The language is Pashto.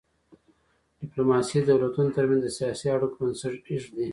ډیپلوماسي د دولتونو ترمنځ د سیاسي اړیکو بنسټ ایږدي.